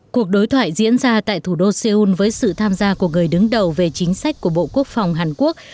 cuộc đối thoại diễn ra tại thủ đô seoul với sự tham gia của người đứng đầu về chính sách của bộ quốc phòng hàn quốc